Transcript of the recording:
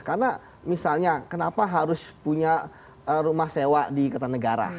karena misalnya kenapa harus punya rumah sewa di ikatan negara